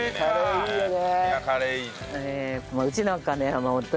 いいね。